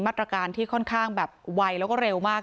มาตรการที่ค่อนข้างแบบไวแล้วก็เร็วมาก